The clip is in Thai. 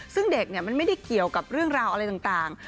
ซึ่งเด็กมันไม่ได้เกี่ยวกับเรื่องราวอะไรต่าง